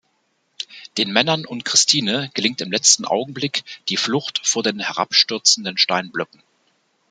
Den Männern und Christine gelingt im letzten Augenblick die Flucht vor den herabstürzenden Steinblöcken.